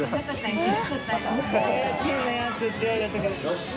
よし！